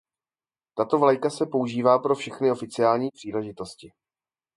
Tato vlajka se používá pro všechny oficiální příležitosti.